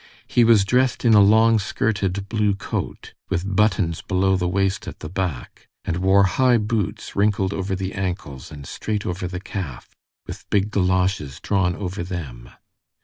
He was dressed in a long skirted blue coat, with buttons below the waist at the back, and wore high boots wrinkled over the ankles and straight over the calf, with big galoshes drawn over them.